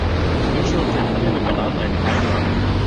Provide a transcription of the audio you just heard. Wir wünschen uns für den Handel mit Bananen einen freien Markt.